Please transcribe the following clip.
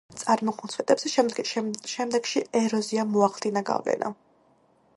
წარმოქმნილ სვეტებზე შემდეგში ეროზიამ მოახდინა გავლენა.